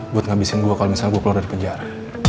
buat ngabisin gue kalau misalnya gue keluar dari penjara